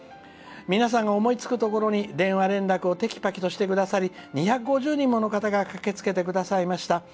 皆さんが思いつくところに電話連絡をてきぱきとしてください２５０人の方が駆けつけてくださいました。